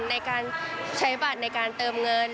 ในการใช้บัตรในการเติมเงิน